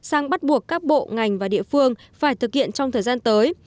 sang bắt buộc các bộ ngành và địa phương phải thực hiện trong thời gian tới